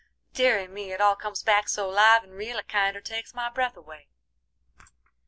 Deary me, it all comes back so livin' real it kinder takes my breath away."